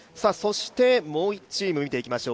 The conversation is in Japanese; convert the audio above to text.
もう１チーム見ていきましょう。